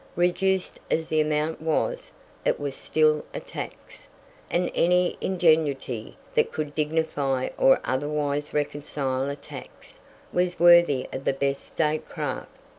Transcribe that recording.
Reduced as the amount was, it was still a tax, and any ingenuity that could dignify or otherwise reconcile a tax, was worthy of the best statecraft.